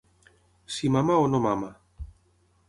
Si mama o no mama.